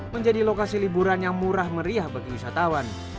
menjadi lokasi liburan yang murah meriah bagi wisatawan